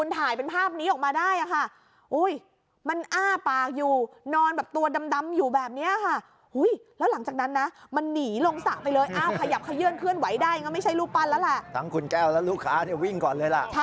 ตอนนั้นยังไม่เห็น